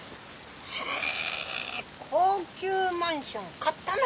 へえ高級マンション買ったの！